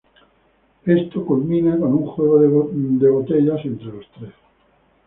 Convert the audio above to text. Esto culmina con un juego de botella entre los tres.